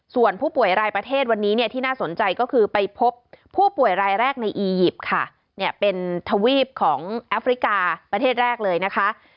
ส่วนผู้ป่วยรายประเทศวันนี้เนี่ยที่น่าสนใจก็คือไปพบผู้ป่วยรายแรกในอียิปต์ค่ะเนี่ยเป็นทวีปของแอฟริกาประเทศแรกเลยนะคะ